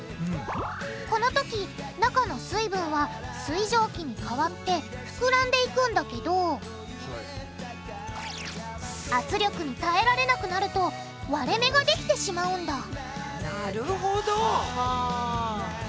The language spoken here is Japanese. このとき中の水分は水蒸気に変わって膨らんでいくんだけど圧力に耐えられなくなると割れ目ができてしまうんだなるほど！ははぁ。